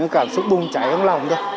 cảm xúc bùng cháy trong lòng